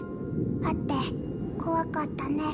会って「怖かったね。